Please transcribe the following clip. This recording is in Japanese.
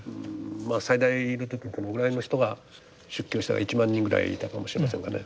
最大の時にどのぐらいの人が出家をしたか１万人ぐらいいたかもしれませんがね。